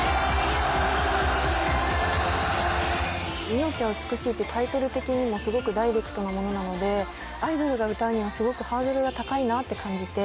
『命は美しい』ってタイトル的にもすごくダイレクトなものなのでアイドルが歌うにはすごくハードルが高いなって感じて。